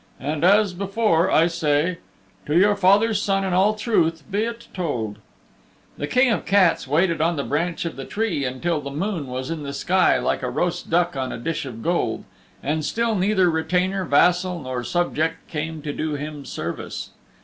And as before I say "To your father's Son in all truth be it told " The King of the Cats waited on the branch of the tree until the moon was in the sky like a roast duck on a dish of gold, and still neither retainer, vassal nor subject came to do him service.